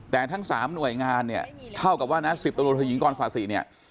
แต่ทั้ง๓หน่วยงานเนี่ยเท่ากับว่านะ๑๐ตำรวจโทยิงกรศาสิเนี่ย